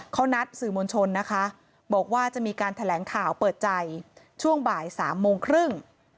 เขานัดสื่อมวลชนนะคะบอกว่าจะมีการแถลงข่าวเปิดใจช่วงบ่ายสามโมงครึ่ง